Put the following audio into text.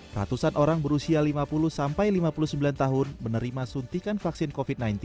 ratusan orang berusia lima puluh sampai lima puluh sembilan tahun menerima suntikan vaksin covid sembilan belas